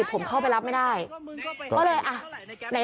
ผมเข้าไปรับไม่ได้